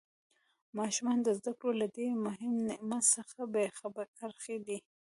ماشومان د زده کړو له دې مهم نعمت څخه بې برخې دي.